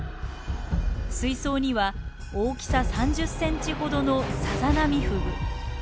水槽には大きさ３０ｃｍほどのサザナミフグ。